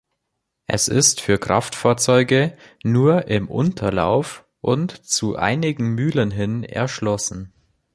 Es ist für Kraftfahrzeuge nur im Unterlauf und zu einigen Mühlen hin erschlossen.